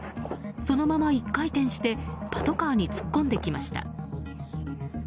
そのまま１回転してパトカーに突っ込んできました。